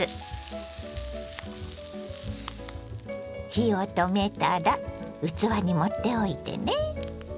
火を止めたら器に盛っておいてね。